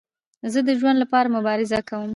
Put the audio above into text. زه د ژوند له پاره مبارزه کوم.